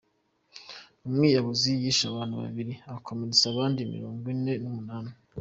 Umwiyahuzi yishe abantu Babiri akomeretsa abandi Mirongo Ine Numunani